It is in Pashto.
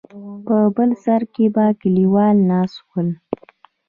په بل سر کې به کليوال ناست ول.